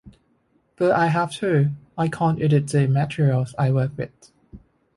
But I have to: I can't edit the materials I work with.